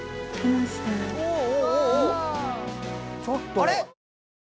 あれ⁉